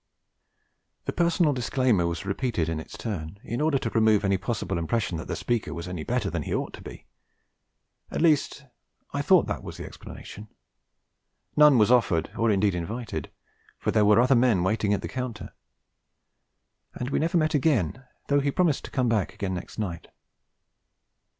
The personal disclaimer was repeated in its turn, in order to remove any possible impression that the speaker was any better than he ought to be. At least I thought that was the explanation; none was offered or indeed invited, for there were other men waiting at the counter; and we never met again, though he promised to come back next night.